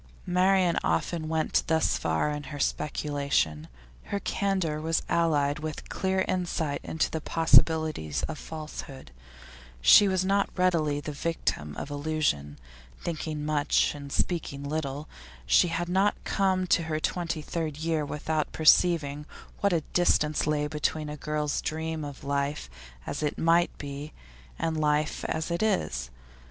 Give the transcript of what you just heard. Marian often went thus far in her speculation. Her candour was allied with clear insight into the possibilities of falsehood; she was not readily the victim of illusion; thinking much, and speaking little, she had not come to her twenty third year without perceiving what a distance lay between a girl's dream of life as it might be and life as it is.